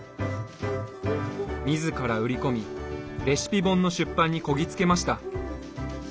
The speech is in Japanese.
自ら売り込みレシピ本の出版にこぎつけました。